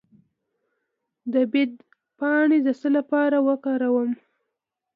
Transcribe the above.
د بید پاڼې د څه لپاره وکاروم؟